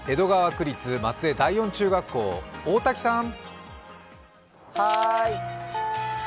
区立松江第四中学校大滝さん。